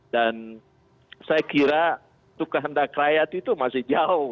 dan saya kira kehendak rakyat itu masih jauh